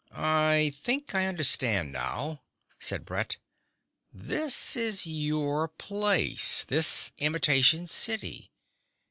"I think I understand now," said Brett. "This is your place, this imitation city.